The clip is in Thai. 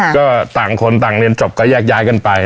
ก็ต่างคนต่างเรียนจบก็แยกย้ายกันไป